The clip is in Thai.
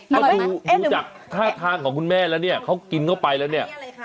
เพราะดูจากท่าทางของคุณแม่แล้วเนี่ยเขากินเข้าไปแล้วเนี่ย